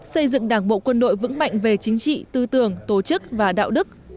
xây dựng đảng bộ quân đội vững mạnh về chính trị tư tưởng tổ chức và đạo đức